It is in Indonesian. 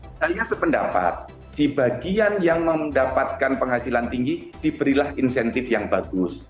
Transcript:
saya sependapat di bagian yang mendapatkan penghasilan tinggi diberilah insentif yang bagus